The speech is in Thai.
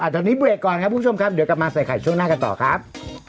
ตอนนี้เบรกก่อนครับคุณผู้ชมครับเดี๋ยวกลับมาใส่ไข่ช่วงหน้ากันต่อครับ